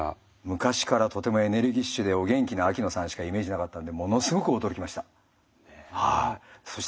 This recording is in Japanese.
昔からとてもエネルギッシュでお元気な秋野さんしかイメージなかったのでものすごく驚きました。